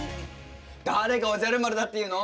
誰がおじゃる丸だっていうの。